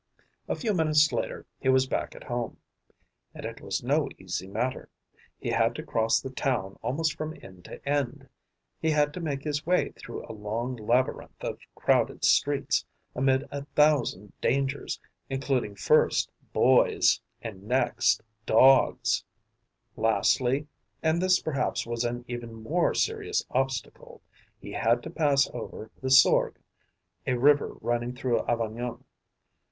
A few minutes later, he was back at home. And it was no easy matter: he had to cross the town almost from end to end; he had to make his way through a long labyrinth of crowded streets, amid a thousand dangers, including first boys and next dogs; lastly and this perhaps was an even more serious obstacle he had to pass over the Sorgue, a river running through Avignon.